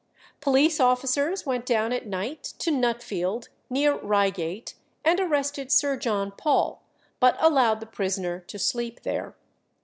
Police officers went down at night to Nutfield, near Reigate, and arrested Sir John Paul, but allowed the prisoner to sleep there.